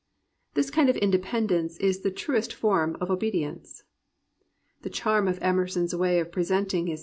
This kind of independence is the truest form of obe dience. The charm of Emerson's way of presenting his.